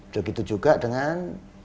begitu juga dengan